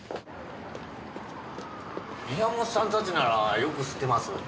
宮本さんたちならよく知ってます。